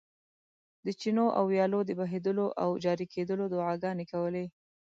د چینو او ویالو د بهېدلو او جاري کېدلو دعاګانې کولې.